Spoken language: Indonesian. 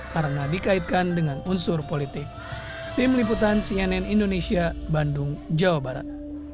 karena dikaitkan dengan unsur politik